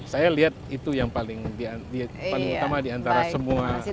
saya lihat itu yang paling utama diantara semua